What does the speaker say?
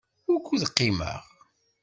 Wukud qimeɣ?